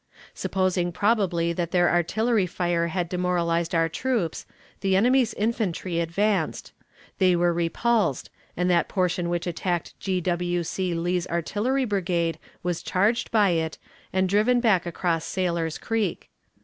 Supposing probably that their artillery fire had demoralized our troops, the enemy's infantry advanced. They were repulsed, and that portion which attacked G. W. C. Lee's artillery brigade was charged by it, and driven back across Sailor's Creek.